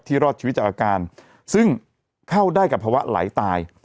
รอดชีวิตจากอาการซึ่งเข้าได้กับภาวะไหลตาย